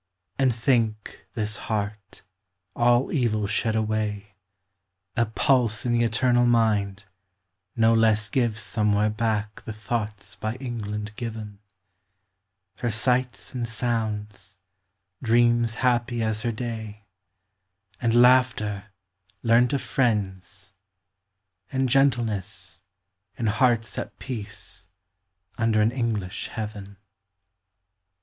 And think, this heart, all evil shed away, A pulse in the eternal mind, no less Gives somewhere back the thoughts by England given; Her sights and sounds; dreams happy as her day; And laughter, learnt of friends; and gentleness, In hearts at peace, under an English heaven.